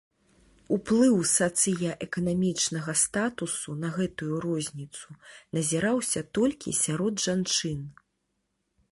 Уплыў сацыяэканамічнага статусу на гэтую розніцу назіраўся толькі сярод жанчын.